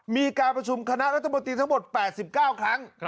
มีการประชุมคณะรัฐมนตรีทั้งหมด๘๙ครั้ง